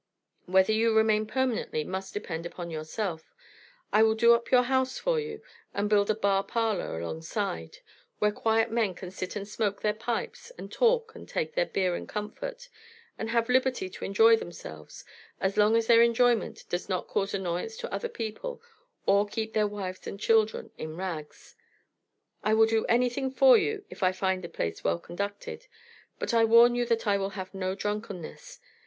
Whether you remain permanently must depend upon yourself. I will do up your house for you, and build a bar parlor alongside, where quiet men can sit and smoke their pipes and talk and take their beer in comfort, and have liberty to enjoy themselves as long as their enjoyment does not cause annoyance to other people or keep their wives and children in rags. I will do anything for you if I find the place well conducted; but I warn you that I will have no drunkenness.